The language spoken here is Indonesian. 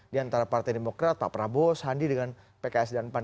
di antara partai demokrat pak prabowo sandi dengan pks dan pan